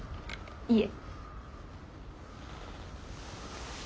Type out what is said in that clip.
いえ。